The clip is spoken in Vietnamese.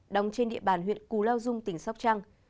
đóng trên địa bàn huyện cù lao dung tỉnh sóc trăng